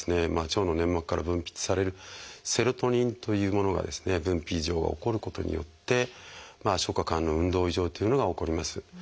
腸の粘膜から分泌されるセロトニンというものが分泌異常が起こることによって消化管の運動異常というのが起こります。